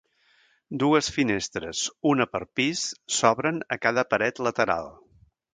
Dues finestres, una per pis, s'obren a cada paret lateral.